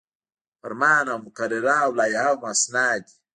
فرمان او مقرره او لایحه هم اسناد دي.